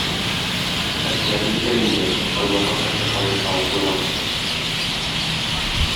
Хәстәрле дә инде – чалбарга хәтле каешын алып куйган.